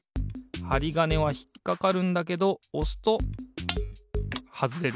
はりがねはひっかかるんだけどおすとはずれる。